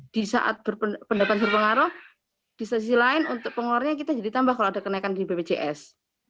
di saat berpendapat berpengaruh di sisi lain untuk pengeluarannya kita jadi tambah kalau ada kenaikan di bpjs